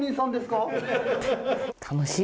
楽しい。